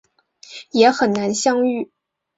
也难以相遇